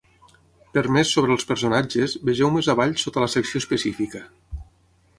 Per més sobre els personatges, vegeu més avall sota la secció específica.